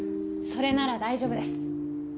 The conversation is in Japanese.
それなら大丈夫です。